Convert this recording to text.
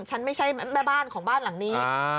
ไม่ใช่แม่บ้านของบ้านหลังนี้